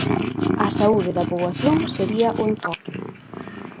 A saúde da poboación sería o enfoque.